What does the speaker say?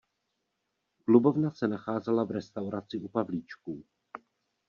Klubovna se nacházela v restauraci U Pavlíčků.